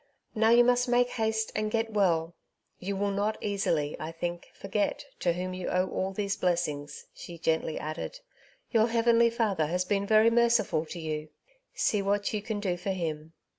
Now you must make haste and get well. You will not easily, I think, forget to whom you owe all these blessings," she gently added. *' Your Heavenly Father has been very merciful to you ; see what you can do for Him."